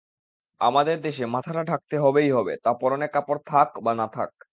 আমাদের দেশে মাথাটা ঢাকতে হবেই হবে, তা পরনে কাপড় থাক বা না থাক।